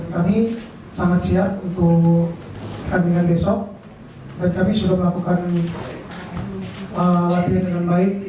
kami sangat siap untuk pertandingan besok dan kami sudah melakukan latihan dengan baik